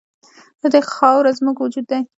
د دې خاوره زموږ وجود دی؟